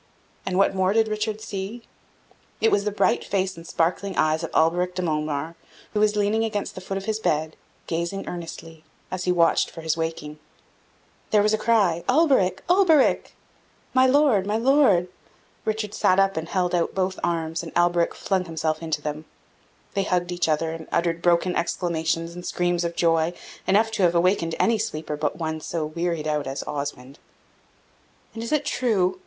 And what more did Richard see? It was the bright face and sparkling eyes of Alberic de Montemar, who was leaning against the foot of his bed, gazing earnestly, as he watched for his waking. There was a cry "Alberic! Alberic!" "My Lord! my Lord!" Richard sat up and held out both arms, and Alberic flung himself into them. They hugged each other, and uttered broken exclamations and screams of joy, enough to have awakened any sleeper but one so wearied out as Osmond. "And is it true?